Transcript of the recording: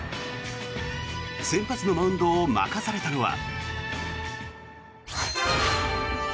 先発のマウンドを任されたのは。